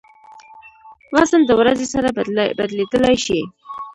وزن د ورځې سره بدلېدای شي.